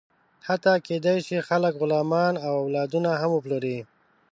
حتی کېدی شي، خلک غلامان او اولادونه هم وپلوري.